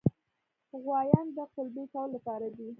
غوایان د قلبه کولو لپاره دي.